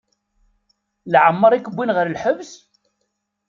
Leɛmeṛ i k-wwin ɣer lḥebs?